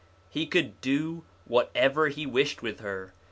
He could do whatever he wished with her.